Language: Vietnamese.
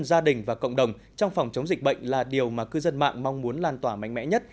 gia đình và cộng đồng trong phòng chống dịch bệnh là điều mà cư dân mạng mong muốn lan tỏa mạnh mẽ nhất